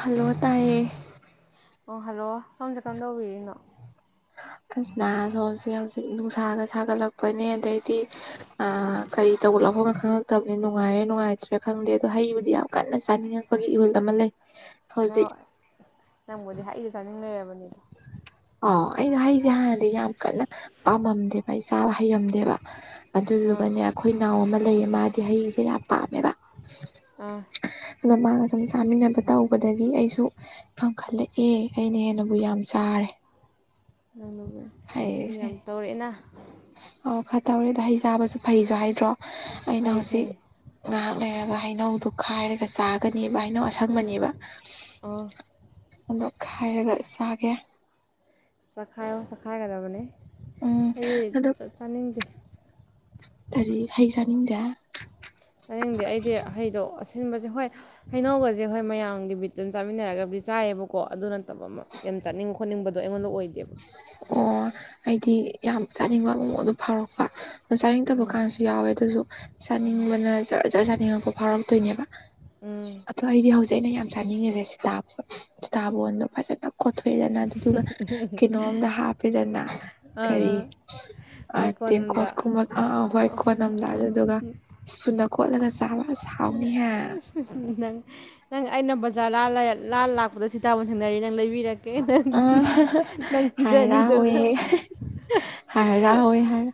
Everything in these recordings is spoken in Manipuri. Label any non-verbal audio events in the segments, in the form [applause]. ꯍꯜꯂ ꫭꯇꯥꯏꯌꯦ ꯑꯣ ꯍꯜꯂꯣ ꯁꯣꯝꯁꯦ ꯀꯝꯗꯧꯕꯤꯔꯤꯅꯣ ꯑꯁ ꯅꯍꯥ ꯁꯣꯝꯁꯦ ꯍꯧꯖꯤꯛ ꯅꯨꯡꯁꯥꯒ ꯁꯥꯒꯠꯂꯛꯄꯅꯦ ꯑꯗꯩꯗꯤ ꯑ ꯀꯔꯤ ꯇꯧꯕ ꯂꯐꯝꯅ ꯈꯪꯉꯛꯇꯕꯅꯤ ꯅꯨꯡꯉꯥꯏꯔꯦ ꯅꯨꯡꯉꯥꯏꯇ꯭ꯔꯥ ꯈꯪꯗꯦ ꯑꯗꯣ ꯍꯩꯕꯨꯗꯤ ꯌꯥꯝ ꯀꯟꯅ ꯆꯥꯅꯤꯡꯉꯛꯇꯦ ꯢꯍꯨꯜ ꯑꯃ ꯁꯩ ꯅꯪ ꯅꯪꯕꯨꯗꯤ ꯍꯩꯗ ꯆꯥꯅꯤꯡ ꯂꯩꯔꯕꯅꯤꯗꯣ ꯑꯣ ꯑꯩꯩꯅ ꯍꯩꯁꯦ ꯍꯥꯟꯅꯗꯤ ꯌꯥꯝ ꯀꯟꯅ ꯄꯥꯝꯃꯝꯗꯦꯕ ꯑꯩ ꯆꯥꯕ ꯍꯩꯔꯝꯗꯦꯕ ꯑꯥ ꯑꯗꯨꯗꯨꯒꯅꯦ ꯑꯩꯈꯣꯏ ꯅꯥꯎ ꯑꯃ ꯂꯩꯌꯦ ꯃꯥꯗꯤ ꯍꯩꯁꯦ ꯌꯥꯝ ꯄꯥꯝꯃꯦꯕ ꯑꯥ ꯑꯗ ꯃꯥꯒ ꯁꯨꯝ ꯆꯥꯃꯤꯟꯅꯕ ꯇꯧꯕꯗꯒꯤ ꯑꯩꯁꯨ ꯄꯥꯝꯈꯠꯂꯛꯑꯦ ꯑꯩꯅ ꯍꯦꯟꯅꯕꯨ ꯌꯥꯝ ꯆꯥꯔꯦ [unintelligible] ꯅꯪ ꯍꯩꯁꯦ ꯌꯥꯝ ꯇꯧꯔꯛꯑꯦꯅ ꯑꯣ ꯈꯔ ꯇꯧꯔꯦꯗ ꯍꯩ ꯆꯥꯕꯁꯨ ꯐꯩꯁꯨ ꯍꯥꯏꯗ꯭ꯔꯣ ꯑꯩꯅ ꯐꯩ ꯍꯧꯖꯤꯛ ꯐꯩ ꯉꯥꯏꯍꯥꯛ ꯂꯩꯔꯒ ꯍꯩꯅꯧꯗꯨ ꯈꯥꯏꯔꯒ ꯆꯥ ꯍꯩꯅꯧ ꯑꯁꯥꯡꯕꯅꯦꯕ ꯑꯣ ꯑꯗꯨ ꯈꯥꯏꯔꯒ ꯆꯥꯒꯦꯕꯥ ꯆꯥꯛꯈꯥꯏꯌꯣ ꯆꯥꯛꯈꯥꯏꯒꯗꯕꯅꯤ ꯎꯝ ꯑꯩꯗꯤ ꯆꯥꯅꯤꯡꯗꯦ ꯒꯥꯔꯤ ꯍꯩ ꯆꯥꯅꯤꯡꯗꯦ ꯆꯥꯅꯤꯡꯗꯦ ꯑꯩꯗꯤ ꯍꯩꯗꯣ ꯑꯁꯤꯟꯕꯁꯦ ꯍꯣꯏ ꯍꯩꯅꯒꯁꯦ ꯍꯣꯏ ꯃꯌꯥꯝꯒꯤ ꯕꯤꯠꯇ ꯑꯗꯨꯝ ꯆꯥꯃꯤꯟꯅꯔꯒꯗꯤ ꯆꯥꯏꯌꯦꯕꯀꯣ ꯑꯗꯨ ꯅꯠꯇꯕ ꯑꯃ ꯌꯥꯝ ꯆꯥꯅꯤꯡꯕ ꯈꯣꯠꯅꯤꯡꯕꯗꯣ ꯑꯩꯉꯣꯟꯗ ꯑꯣꯏꯗꯦꯕ ꯑꯣ ꯑꯩꯗꯤ ꯌꯥꯝ ꯆꯥꯅꯤꯡꯕ ꯃꯑꯣꯡ ꯑꯗꯨ ꯐꯥꯎꯔꯛꯄ ꯑꯥ ꯆꯥꯅꯤꯡꯗꯕ ꯀꯥꯟꯗꯁꯨ ꯌꯥꯎꯋꯦ ꯑꯗꯨꯁꯨ ꯆꯥꯅꯤꯡꯕꯅ ꯖꯔ ꯖꯔ ꯆꯥꯅꯤꯡꯉꯛꯄ ꯐꯥꯎꯔꯛꯇꯣꯏꯅꯦꯕ ꯎꯝ ꯑꯗꯣ ꯑꯩꯗꯤ ꯍꯧꯖꯤꯛ ꯑꯩꯅ ꯌꯥꯝ ꯆꯥꯅꯤꯡꯉꯤꯁꯦ ꯁꯤꯇꯥꯕꯣꯟ ꯁꯤꯇꯥꯕꯣꯟꯗꯣ ꯐꯖꯅ ꯀꯣꯊꯣꯛꯑꯦꯗꯅ ꯑꯗꯨꯗꯨꯒ ꯀꯩꯅꯣ ꯑꯝꯗ ꯍꯥꯞꯄꯦꯗꯅ ꯑꯥ ꯀꯔꯤ ꯑꯥ ꯑ ꯍꯣꯏ ꯇꯦꯡꯀꯣꯠ ꯀꯣꯟꯅꯨꯡꯗ ꯀꯨꯝꯕ ꯑꯥ ꯍꯣꯏ ꯀꯣꯟ ꯑꯝꯗꯥ ꯑꯗꯨꯗꯨꯒ ꯁ꯭ꯄꯨꯟꯅ ꯀꯣꯠꯂꯒ ꯆꯥꯕ ꯑꯁ ꯍꯥꯎꯅꯤꯍꯦ ꯍꯨꯝ ꯍꯨꯝ ꯅꯪ ꯅꯪ ꯑꯩꯅ ꯕꯖꯥꯔ ꯂꯥꯜꯂ ꯂꯥꯜ ꯂꯥꯛꯄꯗ ꯁꯤꯇꯥꯥꯕꯟ ꯊꯦꯡꯅꯔꯗꯤ ꯅꯪ ꯂꯩꯕꯤꯔꯛꯒꯦ ꯀꯦ ꯅꯪ ꯑ ꯅꯪ ꯄꯤꯖꯅꯤ ꯑꯗꯨꯒ ꯍꯔꯥꯎꯋꯦ ꯍꯔꯥꯎꯋꯦ ꯍꯥꯢ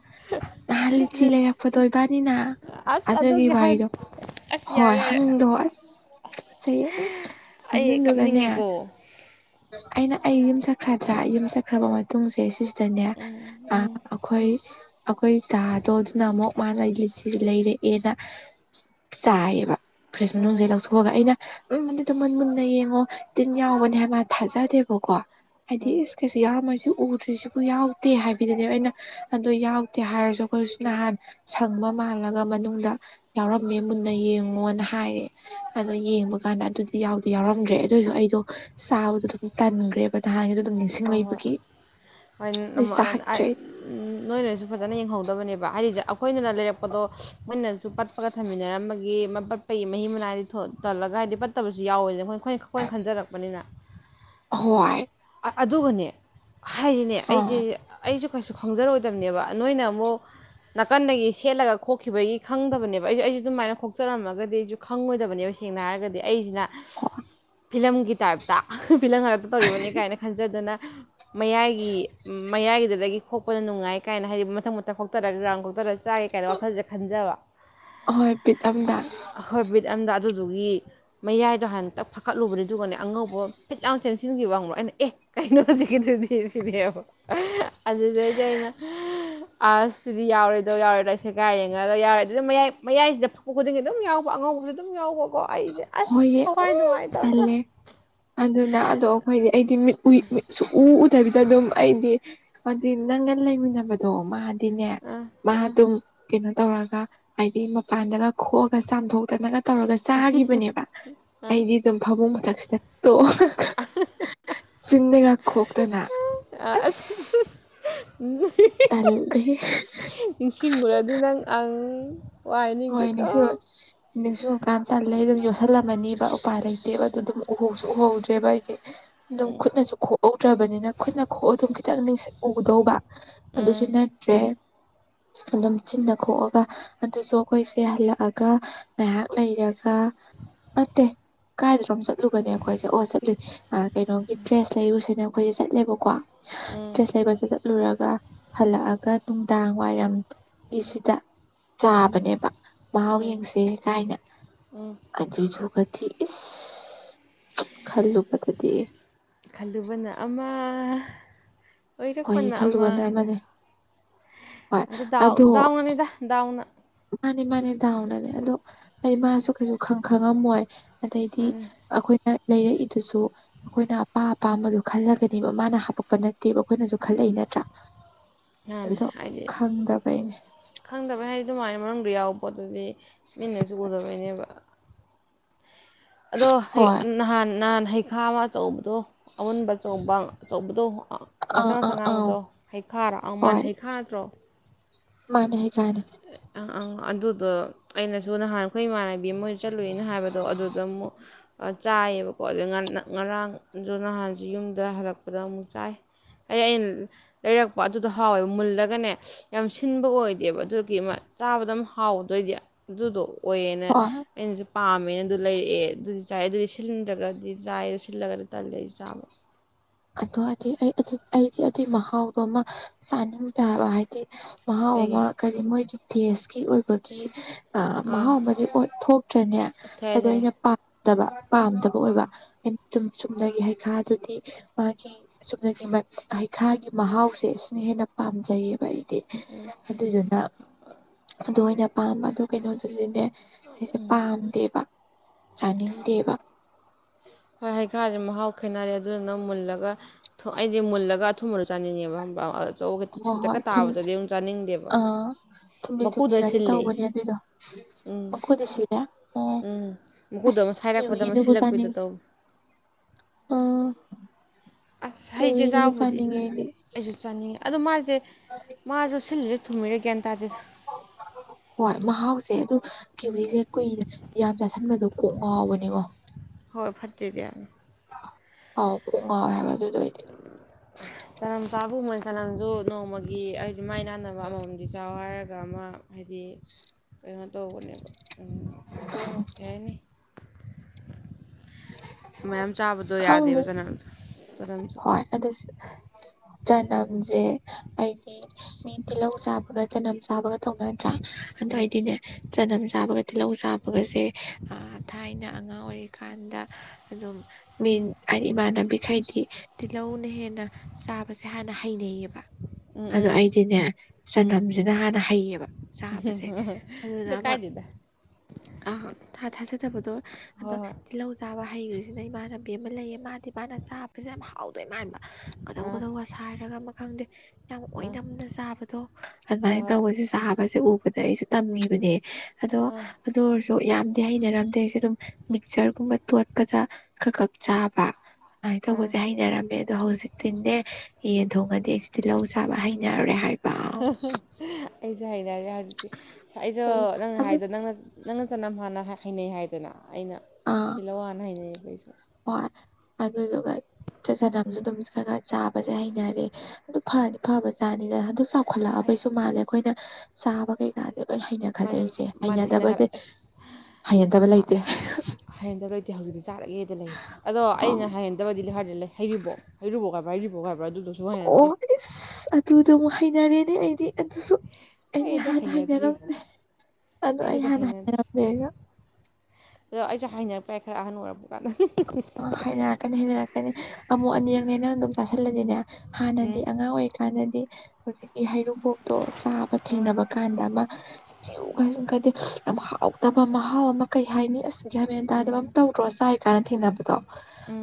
ꯅꯍꯥꯟ ꯂꯤꯆꯤ ꯂꯩꯔꯛ ꯄꯗꯣ ꯏꯕꯥꯟꯅꯤꯅ ꯑꯁ ꯑꯗꯨꯒꯤ ꯍꯟ ꯋꯥꯔꯤꯗꯣ ꯑꯁ ꯍꯣꯏ ꯌꯥꯔꯦ ꯌꯥꯔꯦ ꯍꯟꯗꯣ ꯑꯁ ꯇꯨꯆꯩꯌꯦ ꯎꯝ ꯑꯩ ꯑꯗꯨꯗꯨꯒꯅꯦ ꯀꯞꯅꯤꯡꯉꯦꯀꯣ ꯑꯩꯅ ꯑꯩ ꯌꯨꯝ ꯆꯠꯈ꯭ꯔꯗ꯭ꯔꯥ ꯌꯨꯝ ꯆꯠꯈ꯭ꯔꯕ ꯃꯇꯨꯡꯁꯦ ꯁꯤꯁꯤꯗꯅꯦ ꯑ ꯑꯩꯈꯣꯏ ꯑꯩꯈꯣꯏ ꯇꯥꯗꯣ ꯑꯗꯨꯅ ꯑꯃꯨꯛ ꯃꯥꯅ ꯑꯩ ꯂꯤꯠꯁꯤ ꯂꯩꯔꯛꯑꯦꯅ ꯆꯥꯏꯌꯦꯕ ꯐ꯭ꯔꯤꯁ ꯃꯅꯨꯡꯁꯤꯗꯩ ꯂꯧꯊꯣꯛꯑꯒ ꯑꯩꯅ ꯎꯝ ꯃꯃꯤꯠꯇꯣ ꯃꯨꯟ ꯃꯨꯟꯅ ꯌꯦꯡꯉꯣ ꯇꯤꯟ ꯌꯥꯎꯕꯅꯦ ꯍꯥꯏ ꯃꯥ ꯊꯥꯖꯗꯦꯕꯀꯣ ꯍꯥꯏꯗꯤ ꯏꯁ ꯀꯩꯁꯨ ꯌꯥꯎꯔꯝꯃꯣꯏ ꯁꯤ ꯎꯗ꯭ꯔꯤꯁꯤꯕꯨ ꯌꯥꯎꯗꯦ ꯍꯥꯏꯕꯤꯗꯅꯦ ꯑꯩꯅ ꯑꯗꯣ ꯌꯥꯎꯗꯦ ꯍꯥꯏꯔꯁꯨ ꯑꯩꯈꯣꯏꯁꯨ ꯅꯍꯥꯟ ꯁꯪꯕ ꯃꯥꯜꯂꯒ ꯃꯅꯨꯡꯗ ꯌꯥꯎꯔꯝꯃꯦ ꯃꯨꯟꯅ ꯌꯦꯡꯉꯣꯅ ꯍꯥꯏꯔꯦ ꯑꯗꯣ ꯌꯦꯡꯕ ꯀꯥꯟꯗ ꯑꯗꯨꯗꯤ ꯌꯥꯎꯗꯤ ꯌꯥꯎꯔꯝꯗ꯭ꯔꯦ ꯑꯗꯨꯏꯁꯨ ꯑꯩꯗꯣ ꯆꯥꯕꯗꯣ ꯑꯗꯨꯝ ꯇꯟꯒ꯭ꯔꯦꯕ ꯅꯍꯥꯟꯒꯤꯗꯣ ꯑꯗꯨꯝ ꯅꯤꯡꯁꯤꯡ ꯍꯣꯏ ꯂꯩꯕꯒꯤ ꯑꯗꯨ ꯆꯥꯒꯤꯗ꯭ꯔꯦ ꯑꯩꯗꯤ ꯎꯝ ꯅꯣꯏꯅꯁꯨ ꯐꯖꯅ ꯌꯦꯡꯍꯧꯗꯕꯅꯦꯕ ꯍꯥꯏꯔꯤꯁꯦ ꯑꯩꯈꯣꯏꯅꯤꯅ ꯂꯩꯔꯛꯄꯗꯣ ꯃꯣꯏꯅꯁꯨ ꯄꯠ ꯄꯒ ꯊꯝꯃꯤꯟꯅꯔꯝꯕꯒꯤ ꯑꯃ ꯄꯠ ꯍꯩ ꯃꯍꯤ ꯃꯅꯥꯏꯗꯤ ꯊꯣꯠ ꯇꯜꯂꯒ ꯍꯥꯏꯗꯤ ꯄꯠꯇꯕꯁꯨ ꯌꯥꯎꯋꯦꯅ ꯈꯣꯏ ꯈꯣꯏ ꯈꯣꯏ ꯈꯟꯖꯔꯛꯄꯅꯤꯅ ꯍꯣꯢ ꯑ ꯑꯗꯨꯒꯅꯦ ꯍꯥꯏꯗꯤꯅꯦ ꯑꯩꯖꯦ ꯑꯥ ꯑꯩꯁꯨ ꯀꯩꯁꯨ ꯈꯪꯖꯔꯣꯏꯗꯝꯅꯦꯕ ꯅꯣꯏꯅ ꯑꯃꯨꯛ ꯅꯥꯀꯟꯗꯒꯤ ꯁꯦꯠꯂꯒ ꯈꯣꯛꯈꯤꯕꯒꯤ ꯈꯪꯗꯕꯅꯦꯕ ꯑꯩꯁꯨ ꯑꯩꯁꯨ ꯑꯗꯨꯃꯥꯏꯅ ꯈꯣꯛꯆꯔꯝꯃꯒꯗꯤ ꯑꯩꯖꯨ ꯈꯪꯉꯣꯏꯗꯕꯅꯦꯕ ꯁꯦꯡꯅ ꯍꯥꯏꯔꯒꯗꯤ ꯑꯩꯖꯤꯅꯥ ꯐꯤꯂꯝꯒꯤ ꯇꯥꯏꯞꯇ ꯐꯤꯂꯝ ꯉꯛꯇ ꯇꯧꯔꯤꯕꯅꯤ ꯀꯥꯏꯅ ꯈꯟꯖꯗꯅ ꯃꯌꯥꯏꯒꯤ ꯃꯌꯥꯏꯒꯤꯗꯨꯗꯒꯤ ꯈꯣꯛꯄꯅ ꯅꯨꯡꯉꯥꯏ ꯀꯥꯏꯅ ꯍꯥꯏꯗꯤ ꯃꯊꯪ ꯃꯊꯪ ꯈꯣꯛꯇꯔꯒ ꯌꯥꯝ ꯈꯣꯛꯊꯔ ꯆꯥꯒꯦ ꯀꯩꯅꯣ ꯋꯥꯈꯜꯖꯤꯗ ꯈꯟꯖꯕ ꯍꯣꯏ ꯕꯤꯠ ꯑꯝꯗ ꯍꯣꯏ ꯕꯤꯠ ꯑꯝꯗ ꯑꯗꯨꯗꯨꯒꯤ ꯃꯌꯥꯏꯗꯣ ꯍꯥꯟ ꯗꯛ ꯐꯥꯛꯀꯠꯂꯨꯕꯅꯦ ꯑꯗꯨꯒꯅꯦ ꯑꯉꯧꯕ ꯐꯤꯠ ꯂꯥꯎ ꯆꯦꯟꯁꯤꯟꯈꯤꯕ ꯈꯪꯕ ꯑꯩꯅ ꯑꯦ ꯀꯩꯅꯣ ꯍꯧꯖꯤꯛꯀꯤꯗꯨꯗꯤ ꯁꯤꯅꯦꯕ ꯑꯗꯨꯗꯩꯗꯤ ꯑꯩꯅ ꯑꯁ ꯁꯤꯗꯤ ꯌꯥꯎꯔꯦꯗꯣ ꯌꯥꯎꯔꯦꯗꯣ ꯁꯦꯀꯥꯏ ꯌꯦꯡꯉꯒ ꯌꯥꯎꯔꯦ ꯑꯗꯨꯁꯧ ꯃꯌꯥꯏ ꯃꯌꯥꯏꯁꯤꯗ ꯐ ꯄꯨ ꯈꯨꯗꯤꯡꯒꯤ ꯑꯗꯨꯝ ꯌꯥꯎꯕ ꯑꯉꯧꯕ ꯑꯗꯨꯝ ꯌꯥꯎꯕꯀꯣ ꯑꯩꯁꯦ ꯑꯁ ꯍꯣꯏꯌꯦ ꯎꯝ ꯊꯋꯥꯏ ꯅꯨꯡꯉꯥꯏꯇꯕꯗ ꯇꯜꯂꯦ ꯑꯗꯨꯅ ꯑꯗꯣ ꯑꯩꯈꯣꯏꯗꯤ ꯑꯩꯗꯤ ꯃꯤꯠ ꯎꯏ ꯎ ꯁꯨꯛꯎꯨ ꯎꯨꯗꯕꯤꯗ ꯑꯗꯨꯝ ꯑꯩꯗꯤ ꯍꯥꯏꯗꯤ ꯅꯪꯒ ꯂꯩꯃꯤꯟꯅꯕꯗꯣ ꯃꯥꯗꯤꯅꯦ ꯑꯥ ꯃꯥ ꯑꯥ ꯑꯗꯨꯝ ꯀꯩꯅꯣ ꯇꯧꯔꯒ ꯍꯥꯏꯗꯤ ꯃꯄꯥꯟꯗꯒ ꯈꯣꯛꯑꯒ ꯆꯥꯝꯊꯣꯛꯇꯅꯒ ꯇꯧꯔꯒ ꯆꯥꯒꯤ ꯑꯗꯨꯅꯦꯕ ꯑꯩꯗꯤ ꯑꯗꯨꯝ ꯐꯃꯨꯡ ꯃꯊꯛꯁꯤꯗ ꯇꯣ [unintelligible] ꯆꯤꯟꯗꯒ ꯈꯣꯛꯇꯅ ꯑꯁ ꯎꯝ ꯇꯜꯂꯦꯍꯦ ꯅꯤꯡꯁꯤꯡꯉꯨꯔꯗꯤ ꯅꯪ ꯑꯪ ꯋꯥꯏ ꯍꯣꯏ ꯅꯤꯡꯁꯤꯡ ꯅꯤꯡꯗꯦꯀꯣ ꯅꯤꯡꯁꯤꯡꯉꯨꯀꯥꯟ ꯇꯜꯂꯦ ꯑꯩꯗꯤ ꯌꯣꯠꯁꯜꯂꯝꯃꯅꯤꯕ ꯎꯄꯥꯏ ꯂꯩꯇꯦꯕꯗꯣ ꯗꯨꯝ ꯎꯍꯧꯁꯨ ꯎꯍꯧꯗ꯭ꯔꯦꯕ ꯑꯩꯗꯤ ꯑꯗꯨꯝ ꯈꯨꯠꯅꯁꯨ ꯈꯣꯛꯍꯧꯗ꯭ꯔꯕꯅꯤꯅ ꯈꯨꯠꯅ ꯈꯣꯛꯑ ꯑꯗꯨꯝ ꯈꯤꯇꯪ ꯅꯤꯡꯁꯤꯡ ꯎꯗꯧꯕ ꯑꯗꯨꯁꯨ ꯅꯠꯇ꯭ꯔꯦ ꯑꯗꯨꯝ ꯆꯤꯟꯅ ꯈꯣꯑꯒ ꯑꯗꯨꯁꯨ ꯑꯩꯈꯣꯏꯁꯦ ꯍꯜꯂꯛꯑꯒ ꯉꯥꯏꯍꯥꯛ ꯂꯩꯔꯒ ꯅꯠꯇꯦ ꯀꯥꯏꯗꯅꯣꯝ ꯆꯠ ꯆꯠꯂꯨꯕꯅꯦ ꯑꯩꯈꯣꯏꯁꯦ ꯑꯣ ꯆꯠꯂꯨꯏ ꯑ ꯀꯩꯅꯣꯒꯤ ꯗ꯭ꯔꯦꯁ ꯂꯩꯔꯨꯁꯦꯅ ꯑꯩꯈꯣꯏꯁꯦ ꯆꯠꯂꯦꯕꯀꯣ ꯗ꯭ꯔꯦꯁ ꯂꯩꯕꯁꯤꯗ ꯆꯠꯂꯨꯔꯒ ꯍꯜꯂꯛꯑꯒ ꯅꯨꯡꯗꯥꯡ ꯋꯥꯏꯔꯝ ꯒꯤꯁꯤꯗ ꯆꯥꯕꯅꯦꯕ ꯃꯍꯥꯎ ꯌꯦꯡꯁꯦ ꯀꯥꯏꯅ ꯑꯗꯨꯁꯨ ꯈ ꯊꯤ ꯏꯁ ꯈꯜꯂꯨꯕꯗꯨꯗꯤ ꯈꯜꯂꯨꯕꯅ ꯑꯃ ꯍꯣꯏ ꯑꯣꯏꯔꯛꯄꯅ ꯑꯃ ꯈꯜꯂꯨꯕꯅ ꯑꯃꯅꯦ ꯍꯥꯏꯗꯅ ꯍꯣꯏ ꯑꯗꯥ ꯑꯗꯣ ꯗꯥꯎꯅꯅꯤꯗ ꯗꯥꯎꯅ ꯃꯥꯅꯦ ꯃꯥꯅꯦ ꯗꯥꯎꯅꯅꯦ ꯑꯗꯣ ꯑꯩ ꯃꯥꯁꯨ ꯀꯩꯁꯨ ꯈꯪ ꯈꯪꯉꯝꯃꯣꯏ ꯑꯗꯩꯗꯤ ꯃꯥꯅꯦ ꯑꯩꯈꯣꯏꯅ ꯂꯩꯔꯛꯏꯗꯨꯁꯨ ꯑꯩꯈꯣꯏꯅ ꯑꯄꯥ ꯑꯄꯥꯝꯕꯗꯨ ꯈꯜꯂꯒꯅꯦꯕ ꯃꯥꯅ ꯍꯥ ꯄ ꯅꯠꯇꯦꯕ ꯑꯩꯈꯣꯏꯅꯁꯨ ꯈꯜꯂꯛꯏ ꯅꯠꯇ꯭ꯔꯥ ꯃꯥꯅꯦ ꯑꯗꯣ ꯍꯥꯏꯗꯤ ꯈꯪꯗꯕꯩꯅꯦ ꯈꯪꯗꯕꯩ ꯍꯥꯏꯗꯤ ꯑꯗꯨꯃꯥꯏꯅ ꯃꯔꯝꯗꯨ ꯌꯥꯎꯕ ꯄꯣꯠꯇꯨꯗꯤ ꯃꯤꯅꯁꯨ ꯎꯔꯥꯔꯣꯢꯕꯩꯅꯦꯕ ꯑꯗꯣ ꯍꯣꯏ ꯅꯍꯥꯟ ꯅꯍꯥꯟ ꯍꯩ ꯍꯩꯈꯥ ꯑꯃ ꯑꯆꯧꯕꯗꯣ ꯑꯃꯨꯟꯕ ꯑꯆꯧꯕ ꯑꯆꯧꯕꯗꯣ ꯉꯁꯪ ꯑꯥ ꯑꯥ ꯉꯁꯪ ꯑꯥ ꯉꯥꯡꯕꯗꯣ ꯍꯩꯈꯥꯔꯣ ꯑ ꯃꯥꯅ ꯍꯣꯏ ꯍꯩꯈꯥ ꯅꯠꯇ꯭ꯔꯣ ꯃꯥꯅꯦ ꯍꯩꯈꯥꯅꯦ ꯑꯪ ꯑꯗꯨꯗꯣ ꯑꯩꯅꯁꯨ ꯅꯍꯥꯟ ꯑꯩꯈꯣꯏ ꯏꯃꯥꯟꯅꯕꯤ ꯑꯃ ꯑꯣꯏꯅ ꯆꯠꯂꯨꯏꯅ ꯍꯥꯏꯕꯗꯣ ꯑꯗꯨꯗ ꯑꯃꯨꯛ ꯆꯥꯏꯌꯦꯕꯀꯣ ꯑꯗꯩ ꯉꯔꯥꯡ ꯑꯗꯣ ꯅꯍꯥꯟꯁꯨ ꯌꯨꯝꯗ ꯍꯜꯂꯛꯄꯗ ꯑꯃꯨꯛ ꯆꯥꯏ ꯑꯩ ꯑꯩꯅ ꯂꯩꯔꯛꯄ ꯑꯗꯨꯗꯣ ꯍꯥꯎꯋꯦꯕ ꯃꯨꯜꯂꯒꯅꯦ ꯌꯥꯝ ꯁꯤꯟꯕ ꯑꯣꯏꯗꯦꯕ ꯑꯗꯨ ꯀꯤ ꯑꯃ ꯆꯥꯕꯗ ꯑꯃ ꯍꯥꯎꯗꯣꯏꯗꯤ ꯑꯗꯨꯗꯣ ꯑꯣꯏꯌꯦꯅ ꯍꯣꯏ ꯑꯩꯅꯁꯨ ꯄꯥꯝꯃꯦꯅ ꯑꯗꯨ ꯂꯩꯔꯛꯑꯦ ꯑꯗꯨꯗꯤ ꯆꯥꯏ ꯑꯗꯨꯗꯤ ꯁꯤꯟꯗ꯭ꯔꯒꯗꯤ ꯆꯥꯏꯗꯣ ꯁꯤꯜꯂꯒꯗꯤ ꯇꯜꯂꯦ ꯑꯩꯁꯨ ꯆꯥꯕ ꯑꯗꯨ [unintelligible] ꯑꯩ ꯑꯩꯗꯤ ꯑꯗꯨꯏ ꯃꯍꯥꯎꯗꯣꯃ ꯆꯥꯅꯤꯡꯗꯕ ꯍꯥꯏꯗꯤ ꯃꯍꯥꯎ ꯀꯩꯒꯤ ꯑꯃ ꯀꯔꯤ ꯃꯣꯏꯒꯤ ꯗꯦꯁꯀꯤ ꯑꯣꯏꯕꯒꯤ ꯑ ꯑꯥ ꯃꯍꯥꯎ ꯑꯃꯗꯤꯠ ꯊꯣꯛꯇ꯭ꯔꯅꯦ ꯊꯥꯏ ꯑꯗꯣ ꯊꯥꯏ ꯑꯩꯅ ꯄꯥꯝꯗꯕ ꯄꯥꯝꯗꯕ ꯍꯣꯏ ꯑꯣꯏꯕ ꯆꯨꯝꯅꯒꯤ ꯍꯩꯈꯥꯗꯨꯗꯤ ꯃꯥꯒꯤ ꯆꯨꯝꯅꯒꯤ ꯍꯩꯈꯥꯒꯤ ꯃꯍꯥꯎꯁꯦ ꯁꯤꯅ ꯍꯦꯟꯅ ꯄꯥꯝꯖꯩꯌꯦꯕ ꯑꯩꯗꯤ ꯑꯗꯨꯗꯨꯅ ꯑꯗꯨ ꯑꯣꯏꯅ ꯄꯥꯝꯕ ꯑꯗꯨ ꯀꯩꯅꯣꯗꯨꯗꯤꯅꯦ ꯑꯩꯁꯦ ꯄꯥꯝꯗꯦꯕ ꯆꯥꯅꯤꯡꯗꯦꯕ ꯍꯣꯏ ꯍꯩꯈꯥꯁꯦ ꯃꯍꯥꯎ ꯈꯦꯠꯅꯔꯦ ꯑꯗꯨꯗꯨꯅ ꯃꯨꯜꯂꯒ ꯑꯩꯗꯤ ꯃꯨꯜꯂꯒ ꯑꯊꯨꯝꯕꯗꯣ ꯆꯥꯅꯤꯡꯅꯦꯕ ꯍꯣꯏ ꯍꯣꯏ ꯊꯨꯝ ꯑꯥ ꯊꯨꯝꯂꯤ ꯃꯀꯨꯗꯨꯅ ꯊꯨꯝꯂꯤꯒꯗꯤ ꯁꯤꯜꯂꯤ ꯇꯧꯕꯅꯦ ꯑꯗꯨꯏꯗꯣ ꯑꯣꯈꯨꯠꯁꯤ ꯑꯣ ꯃꯀꯨꯗꯣ ꯑꯁ ꯑꯃ ꯁꯥꯏꯔꯛꯄꯗ ꯀꯤꯋꯤ ꯑꯃ ꯗꯨꯒ ꯁꯤꯜꯂꯛꯄꯤꯗꯣ ꯆꯥꯅꯤꯡꯉꯤ ꯇꯧꯋꯤ ꯑꯣ ꯑꯁ ꯍꯩꯁꯦ ꯀꯤꯋꯤꯗꯨꯗꯤ ꯆꯥꯕꯕꯨꯗꯤ ꯆꯥꯅꯤꯡꯉꯤ ꯑꯩꯗꯤ ꯑꯩꯁꯨ ꯆꯥꯅꯤꯡꯉꯦ ꯑꯗꯣ ꯃꯥꯁꯦ, ꯃꯥꯁꯨ ꯁꯤꯜꯂꯤꯔ ꯊꯨꯝꯃꯤꯔ ꯒ꯭ꯌꯥꯟ ꯇꯥꯗꯦꯗ꯫ ꯍꯣꯏ ꯃꯍꯥꯎꯁꯦ ꯑꯗꯨ ꯀꯤꯋꯤꯁꯦ ꯀꯨꯏꯅ ꯌꯥꯝ ꯆꯥꯁꯟꯕꯗꯣ ꯀꯣꯛ ꯉꯥꯎꯕꯅꯤꯉꯣ ꯍꯣꯏ ꯐꯠꯇꯦꯗꯤ ꯑꯥꯏꯝ ꯑꯥꯎ ꯀꯣꯛ ꯉꯥꯎꯋꯦ ꯍꯥꯏꯕ ꯑꯗꯨꯗꯣ ꯑꯩꯗꯤ꯫ ꯆꯅꯝ ꯆꯥꯕꯨ ꯃꯣꯏ ꯆꯅꯝꯁꯨ ꯅꯣꯡꯃꯒꯤ ꯑꯩ ꯑꯗꯨ ꯃꯥꯏ ꯅꯥꯟꯅꯕ ꯑꯃꯃꯝꯗꯤ ꯆꯥꯎ ꯍꯥꯏꯔꯒ ꯑꯃ ꯍꯥꯏꯗꯤ, ꯀꯩꯅꯣ ꯇꯧꯕꯅꯦꯕ ꯎꯝ ꯎꯝ ꯀꯩꯌꯥꯏꯅꯤ ꯃꯌꯥꯝ ꯆꯥꯕꯗꯣ ꯌꯥꯗꯦꯕ ꯈꯪꯗꯦ ꯆꯅꯝꯁꯨ ꯆꯅꯝꯁꯨ꯫ ꯍꯣꯏ ꯑꯗꯨꯁꯨ [unintelligible] ꯆꯅꯝꯁꯦ ꯑꯩꯗꯤ ꯃꯤ ꯇꯤꯜꯍꯧ ꯆꯥꯕꯒ ꯆꯅꯝ ꯆꯥꯕꯒ ꯇꯧꯅꯗ꯭ꯔꯥ ꯑꯗꯨ ꯑꯩꯗꯤꯅꯦ ꯆꯅꯝ ꯆꯥꯕꯒ ꯇꯤꯜꯍꯧ ꯆꯥꯕꯒꯁꯦ ꯑꯥ ꯊꯥꯏꯅ ꯑꯉꯥꯡ ꯑꯣꯏꯔꯤꯀꯥꯟꯗ ꯀꯥꯟꯗ ꯑꯗꯨꯝ ꯃꯤ ꯑꯩ ꯏꯃꯥꯟꯅꯕꯤꯈꯩꯗꯤ ꯇꯤꯜꯍꯧꯅ ꯍꯦꯟꯅ ꯆꯥꯕꯁꯦ ꯍꯥꯟꯅ ꯍꯩꯅꯩꯌꯦꯕ ꯑꯗꯣ ꯎꯝ ꯑꯩꯗꯤꯅꯦ ꯆꯅꯝꯁꯤꯅ ꯍꯥꯟꯅ ꯍꯩꯌꯦꯕ ꯆꯥ ꯗꯨꯗ ꯀꯥꯏꯗꯦꯗ ꯑꯥ ꯊꯥ ꯊꯥꯖꯗꯕꯗꯣ ꯑꯗꯣ ꯍꯣꯏ ꯍꯣꯏ ꯇꯤꯜꯍꯧ ꯆꯥꯕ ꯍꯩꯈ꯭ꯔꯤꯁꯤꯅ ꯏꯃꯥꯟꯅꯕꯤ ꯑꯃ ꯂꯩꯌꯦ ꯃꯥꯗꯤ ꯃꯥꯅ ꯆꯥꯕꯁꯦ ꯌꯥꯝ ꯍꯥꯎꯗꯣꯏ ꯃꯥꯟꯕ ꯀꯗꯧ ꯑꯥ ꯀꯗꯧꯒ ꯁꯥꯏꯔꯒ ꯑꯃ ꯈꯪꯗꯦ ꯌꯥꯝ ꯑꯣꯏꯅꯝꯅ ꯆꯥꯕꯗꯣ ꯍꯣꯏ ꯑꯗꯨꯃꯥꯏꯅ ꯍꯣꯏ ꯇꯧꯕꯖꯦ ꯆꯥꯕꯖꯦ ꯎ ꯕꯗ ꯑꯩꯁꯨ ꯇꯝꯃꯤꯕꯅꯦ ꯑꯗꯣ ꯑꯗꯨ ꯑꯣꯏꯔꯁꯨ ꯌꯥꯝꯗꯤ ꯍꯩꯅꯔꯝꯗꯦ ꯑꯩꯁꯦ ꯑꯗꯨꯝ ꯃꯤꯛꯆꯔ ꯀꯨꯝꯕ ꯇꯣꯠꯄꯗ ꯈꯛ ꯈꯛ ꯆꯥꯕ ꯑꯗꯨꯃꯥꯏꯅ ꯇꯧꯕꯖꯦ ꯍꯩꯅꯔꯝꯃꯦ ꯗꯣ ꯍꯧꯖꯤꯛꯇꯤꯅꯦ ꯌꯦꯟ ꯊꯣꯡꯉꯗꯤ ꯑꯩꯖꯦ ꯇꯤꯜꯍꯧ ꯆꯥꯕ ꯍꯩꯅꯔꯦ ꯍꯥꯏꯕ ꯑꯣ ꯑꯩꯁꯨ ꯍꯩꯅꯔꯦ ꯍꯧꯖꯤꯛꯇꯤ ꯑꯩꯁꯨ ꯅꯪꯅ ꯑꯗꯨ ꯍꯥꯏꯗꯣ ꯅꯪꯅ ꯅꯪꯅ ꯆꯅꯝ ꯍꯥꯟꯅ ꯍ ꯍꯩꯅꯩ ꯍꯥꯏꯗꯅ ꯑꯩꯅ ꯑꯥ ꯇꯤꯜꯍꯧꯅ ꯍꯩꯅꯩꯌꯦꯕ ꯑꯩꯁꯨ ꯍꯣꯏ ꯑꯗꯨꯗꯨꯒ ꯆ ꯆꯅꯝꯁꯨ ꯑꯗꯨꯝ ꯈ ꯈ ꯆꯥꯕꯁꯦ ꯍꯩꯅꯔꯦ ꯑꯗꯨ ꯐꯗꯤ ꯐꯕꯖꯥꯠꯅꯤꯗ ꯑꯗꯨ ꯐꯩ ꯆꯥꯎꯈꯠꯂꯛꯑꯕꯩꯁꯨ ꯃꯥꯜꯂꯦ ꯑꯈꯣꯏꯅ ꯆꯥꯕ ꯀꯩ ꯅꯗꯦ ꯂꯣꯏ ꯃꯥꯅꯦ ꯍꯩꯅꯈꯠꯂꯛꯏꯁꯦ ꯃꯥꯅ ꯍꯩꯅꯗꯕꯁꯦ ꯍꯩꯅꯒꯠꯂ ꯑꯁ ꯍꯩꯅꯗꯕ ꯂꯩꯇꯦ ꯍꯥꯏꯅꯗꯕ ꯂꯩꯇꯦ ꯍꯧꯖꯤꯛꯇꯤ ꯆꯥꯔꯒꯦꯗ ꯂꯩꯔꯦ ꯑꯗꯣ ꯑꯧ ꯑꯩꯅ ꯍꯩꯅꯗꯕꯗꯤ ꯂ ꯈꯔꯗꯤ ꯂꯩ ꯍꯩꯔꯤꯕꯣꯛ ꯍꯩꯔꯨ ꯕꯣꯛ ꯍꯥꯏꯕ꯭ꯔ ꯍꯩꯔꯤꯕꯣꯛ ꯍꯥꯏꯕ꯭ꯔ ꯑꯗꯨꯗꯣ ꯁꯨꯡ ꯑꯣ ꯍꯩꯅꯗꯦ ꯏꯁ ꯑꯗꯨꯗꯨ ꯑꯃꯨꯛ ꯍꯩꯅꯔꯦꯅꯦ ꯑꯩꯗꯤ ꯑꯗꯨꯁꯨ ꯑꯩ ꯑꯩꯗꯤ ꯑꯗꯨ ꯍꯥꯟꯅ ꯍꯩꯅꯗ꯭ꯔꯤ ꯍꯥꯏꯅꯔꯝꯗꯦ ꯑꯗꯣ ꯑꯩ ꯑꯗꯨꯗꯣ ꯍꯥꯟꯅ ꯍꯩꯅꯗ꯭ꯔꯤ ꯍꯩꯅꯔꯝꯗꯦ ꯑꯩꯁꯨ ꯑꯗꯣ ꯑꯩꯁꯨ ꯍꯥꯏꯅꯔꯛꯄ ꯌꯥꯏ ꯈꯔ ꯑꯍꯟ ꯑꯣꯏꯔꯛꯄ ꯀꯥꯟꯗ ꯑ ꯍꯥꯏꯅꯔꯛꯀꯅꯤ ꯍꯥꯏꯅꯔꯛꯀꯅꯤ ꯑꯃꯨꯛ ꯑꯅꯤꯔꯛꯅꯦ ꯅꯪ ꯑꯗꯨꯝ ꯆꯥꯥꯁꯜꯂꯗꯤꯅꯦ ꯍꯥꯟꯅꯗꯤ ꯑꯉꯥꯡ ꯑꯣꯏꯔꯤꯀꯥꯟꯗꯗꯤ ꯍꯧꯖꯤꯛꯀꯤ ꯍꯩꯔꯨꯕꯣꯛꯇꯣ ꯆꯥꯕ ꯊꯦꯡꯅꯕ ꯀꯥꯟꯗ ꯑꯃ ꯆ꯭ꯌꯨ ꯒꯥꯏ ꯆꯤꯡꯈꯠꯇꯦ ꯌꯝ ꯍꯥꯎꯇꯕ ꯃꯍꯥꯎ ꯑꯃ ꯀꯩ ꯍꯥꯏꯅꯤ ꯑꯁ ꯒꯌ꯭ꯥꯟ ꯃꯦꯟ ꯇꯥꯗꯕ ꯑꯃ ꯇꯧꯗ꯭ꯔꯣ ꯆꯥꯏ ꯀꯥꯟꯅ ꯊꯦꯡꯅꯕꯗꯣ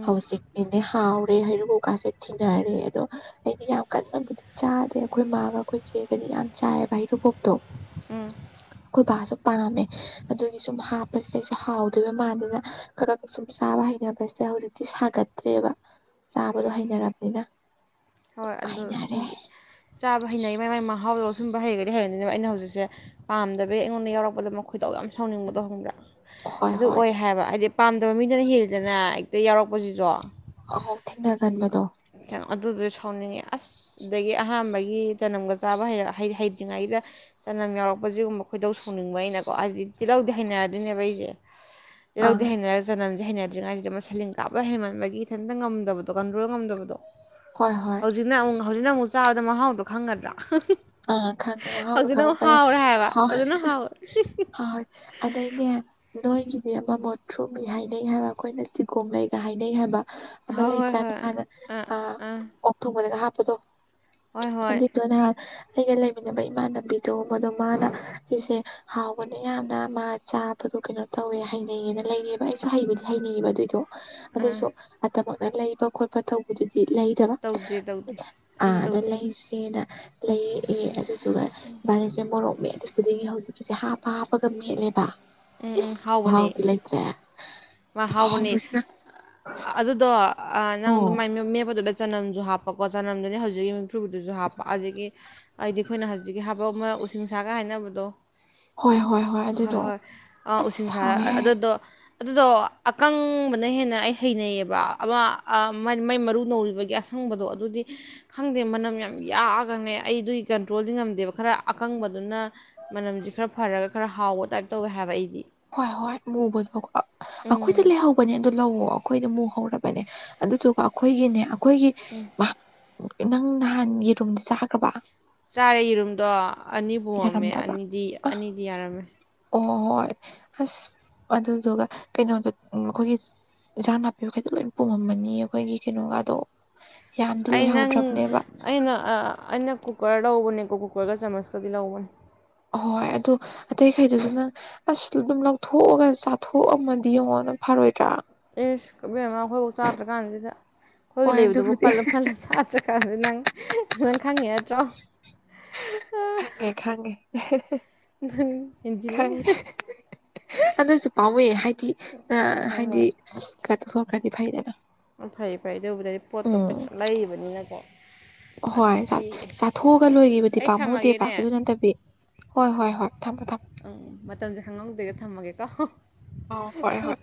ꯍꯧꯖꯤꯛ ꯇꯤꯅꯦ ꯍꯥꯎꯔꯦ ꯍꯩꯔꯨꯕꯣꯞ ꯀꯥꯁꯦ ꯊꯤꯅꯔꯦ ꯑꯗꯣ ꯑꯩꯗꯤ ꯌꯥꯝ ꯀꯟꯅꯕꯨꯗꯤ ꯆꯥꯗꯦ ꯑꯈꯣꯏ ꯃꯥꯒ ꯑꯈꯣꯏ ꯆꯦꯒꯗꯤ ꯌꯥꯝ ꯆꯥꯏꯌꯦꯕ ꯍꯩꯔꯨꯕꯣꯛꯇꯣ ꯎꯝ ꯑꯩꯈꯣꯏ ꯕꯥꯁꯨ ꯄꯥꯝꯃꯦ ꯑꯗꯨꯒꯤ ꯁꯨꯝ ꯍꯥꯞꯄꯁꯤꯗ ꯑꯩꯁꯨ ꯍꯥꯎꯗꯣꯏꯕ ꯃꯥꯟꯗꯅ ꯈ ꯈ ꯁꯨꯨꯝ ꯁꯥꯕ ꯍꯩꯅ ꯁꯦ ꯍꯧꯖꯤꯛꯇꯤ ꯁꯥꯒꯠꯇ꯭ꯔꯦꯕ ꯆꯥꯕꯗꯣ ꯍꯩꯅꯔꯕꯅꯤꯅ ꯍꯣꯏ ꯍꯩꯅꯔꯦ ꯑꯗꯨꯗꯤ ꯆꯥꯕ ꯍꯩꯅꯩ ꯃꯥꯏ ꯃꯥꯏ ꯃꯍꯥꯎꯗꯣ ꯂꯧꯁꯤꯟꯕ ꯍꯩꯒꯔꯗꯤ ꯍꯩꯒꯔꯅꯦꯕ ꯑꯩꯅ ꯍꯧꯖꯤꯛꯁꯦ ꯄꯥꯝꯗꯕꯒꯤ ꯑꯩꯉꯣꯟꯗ ꯌꯥꯎꯔꯛꯄꯗ ꯃꯈꯣꯏ ꯈꯣꯏꯗꯧ ꯌꯥꯝ ꯁꯥꯎꯅꯤꯡꯕꯗꯣ ꯈꯪꯕ꯭ꯔꯥ ꯍꯣꯏ ꯑꯗꯨ ꯍꯣꯏ ꯑꯣꯏ ꯍꯥꯏꯕ ꯍꯥꯏꯗꯤ ꯄꯥꯝꯗꯕ ꯃꯤꯗꯅ ꯍꯦꯜꯂꯤꯗꯅ ꯍꯦꯛꯇ ꯌꯥꯎꯔꯛꯄꯁꯤꯁꯨ ꯑꯣꯍꯣ ꯊꯦꯡꯅꯒꯟꯕꯗꯣ ꯑꯗꯨꯗꯨꯁꯨ ꯁꯥꯎꯅꯤꯡꯉꯦ ꯑꯁ ꯑꯗꯒꯤ ꯑꯍꯥꯟꯕꯒꯤ ꯆꯥꯅꯝꯒ ꯆꯥꯕ ꯍꯩꯔ ꯍꯩꯇ꯭ꯔꯤꯉꯩꯗ ꯆꯥꯅꯝ ꯌꯥꯎꯔꯛꯄꯁꯤꯗ ꯈꯣꯏꯗꯧ ꯁꯥꯎꯅꯤꯡꯕ ꯑꯩꯅ ꯀꯣ ꯍꯥꯏꯗꯤ ꯇꯤꯜꯍꯧꯗꯤ ꯍꯩꯅꯗꯣꯏꯅꯦꯕ ꯑꯩꯁꯦ ꯑꯪ ꯇꯜꯍꯧꯗꯤ ꯍꯩꯅꯔꯒ ꯆꯥꯅꯝꯁꯦ ꯍꯩꯅꯗ꯭ꯔꯤꯉꯥꯏꯁꯤꯗ ꯃꯁꯜꯂꯤ ꯀꯥꯞꯄ ꯍꯦꯟꯃꯥꯟꯕꯒꯤ ꯢꯊꯥꯟꯇ ꯉꯝꯗꯕꯗꯣ ꯀꯥꯟꯇ꯭ꯔꯣꯟ ꯉꯝꯗꯕꯗꯣ ꯍꯣꯏ ꯍꯣꯏ ꯍꯧꯖꯤꯛꯅ ꯑꯃꯨꯛ ꯍꯧꯖꯤꯛꯅ ꯑꯃꯨꯛ ꯆꯥꯕꯗ ꯃꯍꯥꯎꯗꯣ ꯈꯪꯑꯗ꯭ꯔꯥ ꯑ ꯈꯪꯗꯦꯕ ꯃꯍꯥꯎ ꯈꯪꯉꯛꯄꯅꯤꯅ ꯍꯥꯏꯕ ꯍꯧꯖꯤꯛꯅ ꯍꯥꯎꯔꯦ ꯍꯥꯎꯌꯦ ꯑꯗꯩꯅꯦ ꯅꯣꯏꯒꯤꯗꯤ ꯑꯃ ꯃꯣꯠꯊ꯭ꯔꯨ ꯕꯤ ꯍꯥꯏꯅꯩ ꯍꯥꯏꯕ ꯑꯩꯈꯣꯏꯅ ꯆꯤꯒꯣꯝ ꯂꯩꯒ ꯍꯥꯏꯅꯩ ꯍꯥꯏꯕ ꯑꯃ ꯍꯣꯏ ꯍꯣꯏ ꯂꯩꯇ꯭ꯔꯥ ꯍꯣꯏ ꯍꯥꯟꯅ ꯑꯥ ꯑ ꯑꯥ ꯑꯣꯛ ꯊꯣꯡꯕꯗꯒ ꯍꯥꯞꯄꯗꯣ ꯍꯣꯏ ꯍꯣꯏ ꯑꯗꯨꯏꯗꯣ ꯅꯍꯥꯟ ꯑꯩꯒ ꯂꯩꯃꯤꯟꯅꯕ ꯏꯃꯥꯟꯅꯕꯤꯗꯣ ꯃꯗꯣ ꯃꯥꯅ ꯁꯤꯁꯦ ꯍꯥꯎꯕꯅꯦ ꯌꯥꯝꯅ ꯃꯥ ꯆꯥꯕꯗꯣ ꯀꯩꯅꯣ ꯇꯧꯋꯦ ꯍꯩꯅꯩꯌꯦꯅ ꯂꯩꯔꯤꯕ ꯑꯩꯁꯨ ꯍꯩꯕꯗꯤ ꯍꯩꯅꯩꯌꯦꯕ ꯑꯗꯨꯏꯗꯣ ꯑꯗꯨꯁꯨ ꯑꯇꯥꯝꯃꯛꯅ ꯂꯩꯕ ꯈꯣꯠꯄ ꯇꯧꯕꯗꯨꯗꯤ ꯂꯩ ꯀꯩꯕ ꯇꯧꯗꯦ ꯇꯧꯗꯦ ꯑꯩꯁꯨ ꯑꯗ ꯇꯧꯗꯦ ꯂꯩꯁꯦꯅ ꯂꯩꯔꯛꯑꯦ ꯑꯗꯨ ꯑꯗꯨꯒ ꯏꯕꯥꯅꯤꯁꯦ ꯃꯣꯔꯣꯛꯃꯦꯠꯂꯤ ꯈꯨꯗꯤꯒꯤ ꯍꯧꯖꯤꯛꯀꯤꯁꯦ ꯍꯥꯞꯄ ꯍꯥꯞꯄꯒ ꯃꯦꯠꯂꯦꯕ ꯎꯝ ꯎꯝ ꯏꯁ ꯍꯥꯎꯕꯅꯦ ꯈꯨꯍꯥꯎꯗꯤ ꯂꯩꯇ꯭ꯔꯦ ꯃꯥ ꯍꯥꯎꯕꯅꯤ ꯍꯥꯎꯕꯁꯤꯅ ꯑꯗꯨꯗꯣ ꯅꯪ ꯑꯗꯨ ꯑꯣ ꯃꯦꯠꯄꯗꯨꯗ ꯆꯅꯝꯁꯨ ꯍꯥꯞꯄꯀꯣ ꯆꯅꯝꯗꯨꯅꯤ ꯍꯧꯖꯤꯛ ꯃꯨꯊ꯭ꯔꯨꯕꯤꯗꯨꯁꯨ ꯍꯥꯞꯄ ꯑꯗꯒꯤ ꯑꯩꯗꯤ ꯑꯩꯈꯣꯏꯅ ꯍꯧꯖꯤꯛꯀꯤ ꯍꯥꯞꯄ ꯑꯃ ꯎꯁꯤꯡꯁꯥꯒ ꯍꯥꯏꯅꯕꯗꯣ ꯍꯣꯏ ꯍꯣꯏ ꯍꯣꯏ ꯑꯗꯨꯗꯣ ꯍꯣꯏ ꯑꯥ ꯑꯁ ꯎꯁꯤꯡꯁ ꯍꯥꯎꯋꯦꯍꯦ ꯑꯗꯨꯗꯣ ꯑꯗꯨꯗꯣ ꯑꯀꯪꯕꯅ ꯍꯦꯟꯅ ꯑꯩ ꯍꯩꯅꯩꯌꯦꯕ ꯑꯃ ꯃꯥꯏ ꯃꯔꯨ ꯅꯧꯔꯤꯕꯒꯤ ꯑꯁ ꯈꯪꯕꯗꯣ ꯑꯗꯨꯗꯤ ꯈꯪꯗꯦ ꯃꯅꯝ ꯌꯥꯝ ꯌꯥꯛꯑꯒꯅꯦ ꯑꯩ ꯑꯗꯨꯒꯤ ꯀꯟꯇ꯭ꯔꯣꯜꯗꯤ ꯉꯝꯗꯦꯕ ꯈꯔ ꯑꯀꯪꯕꯗꯨꯅ ꯃꯅꯝꯁꯤ ꯈꯔ ꯐꯔꯒ ꯈꯔ ꯍꯥꯎꯕ ꯇꯥꯏꯞ ꯇꯧꯋꯦ ꯍꯥꯏꯕ ꯑꯩꯗꯤ ꯍꯣꯏ ꯍꯣꯏ ꯑꯃꯨꯕꯗꯣ ꯎꯝ ꯑꯩꯈꯣꯏꯗ ꯂꯩꯍꯧꯕꯅꯦ ꯑꯗꯨ ꯂꯧꯋꯣ ꯑꯩꯈꯣꯏꯗ ꯃꯨ ꯍꯧꯔꯕꯅꯦ ꯑꯗꯨꯗꯨꯒ ꯑꯩꯈꯣꯏꯒꯤꯅꯦ ꯑꯩꯈꯣꯏꯒꯤ ꯎꯝ ꯅꯪ ꯅꯍꯥꯟ ꯌꯦꯔꯨꯝ ꯆꯥꯈ꯭ꯔꯕ ꯆꯥꯔꯦ ꯌꯦꯔꯨꯝꯗꯣ ꯑꯅꯤ ꯄꯨꯃꯝꯃꯦ ꯌꯥꯔꯝꯗꯕ꯭ꯔꯥ ꯑꯅꯤꯗꯤ ꯑ ꯑꯅꯤꯗꯤ ꯌꯥꯔꯝꯃꯦ ꯑꯣ ꯍꯣꯏ ꯑꯁ ꯑꯗꯨꯗꯨꯒ ꯀꯩꯅꯣꯗꯨ ꯎꯝ ꯑꯩꯈꯣꯏꯒꯤ ꯏꯟꯖꯥꯡ ꯅꯥꯄꯤꯈꯩꯗꯣ ꯂꯣꯏ ꯄꯨꯝꯃꯝꯃꯅꯤ ꯑꯩꯈꯣꯏꯒꯤ ꯀꯩꯅꯣꯒꯗꯣ ꯌꯥꯝꯗꯤ ꯑꯩ ꯅꯪ ꯂꯩꯍꯧꯗ꯭ꯔꯕꯅꯦꯕ ꯑꯩꯅ ꯑꯩꯅ ꯀꯨꯀꯔ ꯂꯧꯕꯅꯦꯀꯣ ꯀꯨꯀꯔꯒ ꯆꯥꯃꯁꯀꯗꯤ ꯂꯧꯕꯅꯦ ꯑꯍꯣꯏ ꯑꯗꯣ ꯑꯇꯩꯈꯩꯗꯨꯅ ꯅꯪ ꯑꯁꯗꯑꯗꯨꯝ ꯂꯧꯊꯣꯛꯑꯒ ꯆꯥꯊꯣꯛꯑꯝꯃꯗꯤ ꯌꯦꯡꯉꯣꯅ ꯐꯔꯣꯏꯗ꯭ꯔꯥ ꯑꯦꯁ ꯏꯕ‍ꯦꯝꯃꯥ ꯑꯩꯈꯣꯏꯐꯥꯎ ꯆꯥꯗ꯭ꯔ ꯀꯥꯟꯁꯤꯗ ꯑꯩꯈꯣꯏꯒꯤ ꯍꯣꯏ ꯂꯩꯕꯗꯨꯕꯨ ꯑꯗꯨꯕꯨꯗꯤ ꯄꯜꯂ ꯄꯜꯂ ꯆꯥꯗꯔꯥ ꯈ ꯅꯪ ꯅꯪ ꯈꯪꯉꯤ ꯅꯠꯇ꯭ꯔꯣ ꯈꯪꯉꯦ ꯈꯪꯉꯦ ꯅꯪ ꯍꯦꯟꯖꯤꯜꯂꯦ ꯈꯪꯉꯦ ꯑꯗꯨꯁꯨ ꯄꯥꯝꯃꯨꯢꯌꯦ ꯍꯥꯏꯗꯤ ꯑꯥ ꯍꯣꯏ ꯍꯥꯏꯗꯤ ꯍꯣꯏ ꯀꯩꯅꯣ ꯇꯧꯊꯣꯛꯈ꯭ꯔꯗꯤ ꯐꯩꯗꯅ ꯎ ꯐꯩ ꯐꯩꯌ‌ꯦ ꯑꯗꯨꯕꯨꯗꯤ ꯄꯣꯠꯇꯣ ꯎꯝ ꯄꯩꯁꯥꯅ ꯂꯩꯕꯅꯤꯅꯀꯣ ꯍꯣꯏ ꯆꯥꯊꯣꯛꯑꯒ ꯂꯣꯏꯈꯤꯕꯗꯤ ꯑꯩ ꯄꯥꯝꯃꯨꯗꯦꯕ ꯊꯝꯃꯒꯦꯅꯦ ꯑꯗꯨ ꯅꯠꯇꯕꯤ ꯍꯣꯏ ꯍꯣꯏ ꯍꯣꯏ ꯊꯝꯃꯦ ꯊꯝꯃꯦ꯫ ꯎꯝ ꯃꯇꯝꯁꯦ ꯈꯪꯍꯧꯗ꯭ꯔꯦ ꯊꯝꯃꯒꯦ ꯀꯣ꯫ ꯑꯧ ꯍꯣꯏ ꯍꯣꯏ꯫